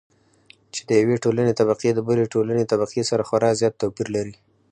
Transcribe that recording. چې د يوې ټولنې طبقې د بلې ټولنې طبقې سره خورا زيات توپېر لري.